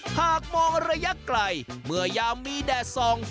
หากมองระยะไกลเมื่อยามมีแดดส่อง